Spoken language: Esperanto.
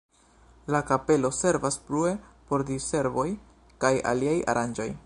La kapelo servas plue por diservoj kaj aliaj aranĝoj.